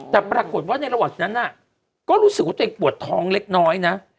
แต่ปรากฏว่าในระหว่างนั้นก็รู้สึกว่าตัวเองปวดท้องเล็กน้อยนะ